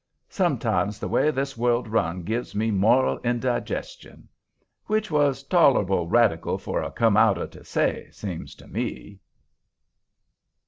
Sometimes the way this world's run gives me moral indigestion." Which was tolerable radical for a Come Outer to say, seems to me.